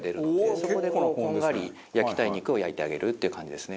そこでこんがり焼きたい肉を焼いてあげるっていう感じですね。